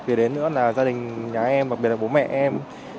kể đến nữa là gia đình nhà em bặc biệt là bố mẹ em